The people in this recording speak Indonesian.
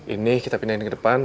ini kita pindahin ke depan